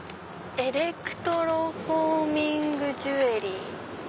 「エレクトロフォーミングジュエリー」。